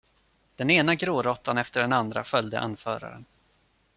Den ena gråråttan efter den andra följde anföraren.